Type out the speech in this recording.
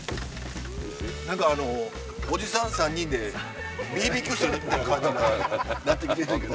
何かあのおじさん３人でＢＢＱしてるみたいな感じになってきてんねんけど。